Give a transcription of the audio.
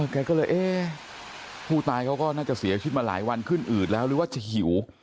แกก็เลยเอ๊ะผู้ตายเขาก็น่าจะเสียชีวิตมาหลายวันขึ้นอืดแล้วหรือว่าจะหิว